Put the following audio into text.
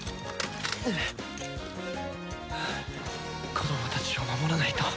子供たちを守らないと。